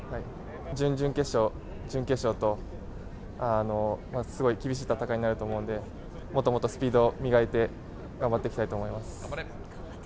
準々決勝、準決勝と、すごい厳しい戦いになると思うので、もっともっとスピードを磨いて頑張っていきたいと思います。